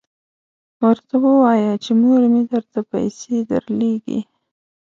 ورته ووایه چې مور مې درته پیسې درلیږي.